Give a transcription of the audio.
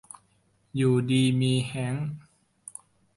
อยู่ดีมีแฮง